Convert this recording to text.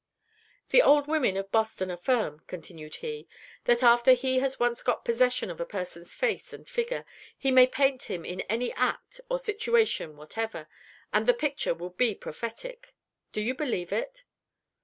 "The old women of Boston affirm," continued he, "that after he has once got possession of a person's face and figure, he may paint him in any act or situation whatever and the picture will be prophetic. Do you believe it?"